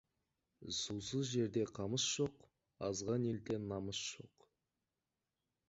Сусыз жерде қамыс жоқ, азған елде намыс жоқ.